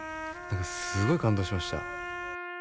何かすごい感動しました。